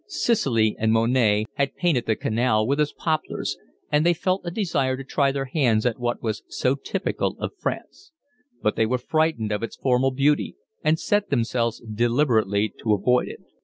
Sisley and Monet had painted the canal with its poplars, and they felt a desire to try their hands at what was so typical of France; but they were frightened of its formal beauty, and set themselves deliberately to avoid it.